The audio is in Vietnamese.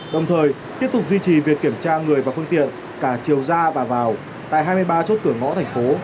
đồng thời tiếp tục duy trì việc kiểm tra người và phương tiện cả chiều ra và vào tại hai mươi ba chốt cửa ngõ thành phố